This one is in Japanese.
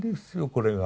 これが。